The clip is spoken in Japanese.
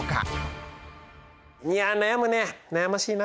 いや悩むね悩ましいな。